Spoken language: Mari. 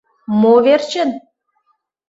— Мо верчын?